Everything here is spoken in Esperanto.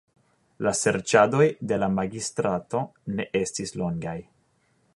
La serĉadoj de la magistrato ne estis longaj.